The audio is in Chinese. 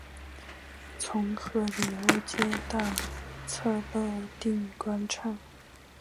从赫里欧街到策肋定广场。